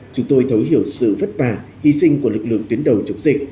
chúng tôi thấu hiểu sự vất vả hy sinh của lực lượng tuyến đầu chống dịch